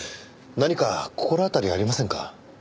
何か心当たりはありませんか？